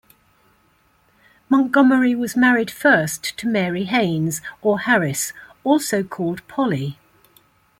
Montgomery was married first to Mary Hanes or Harris, also called Polly.